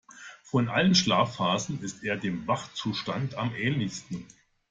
Von allen Schlafphasen ist er dem Wachzustand am ähnlichsten.